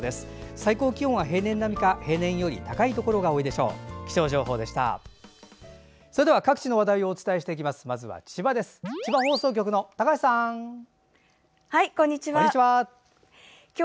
最高気温は平年並みか平年より高いところが多いでしょう。